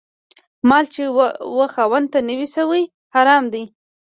مال چي و خاوند ته نه وي سوی، حرام دی